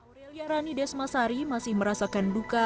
aurelia rani desmasari masih merasakan duka